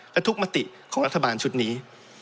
และทุกมติของรัฐบาลชุดนี้